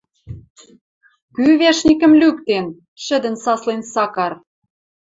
— Кӱ вешникӹм лӱктен? — шӹдӹн саслен Сакар.